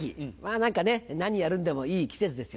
何かね何やるんでもいい季節ですよね。